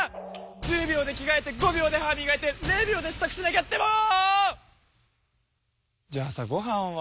１０秒で着がえて５秒で歯みがいて０秒でしたくしなきゃってもう！